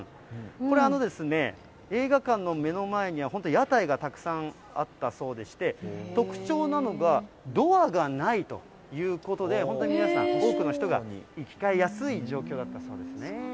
これ、映画館の目の前には、本当に屋台がたくさんあったそうでして、特徴なのが、ドアがないということで、本当に皆さん、多くの人が行き交いやすい状況だったそうですね。